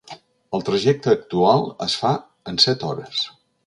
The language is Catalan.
El trajecte actual es fa en set hores.